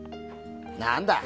何だ！